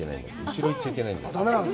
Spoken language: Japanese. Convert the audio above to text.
後ろ行っちゃいけないって。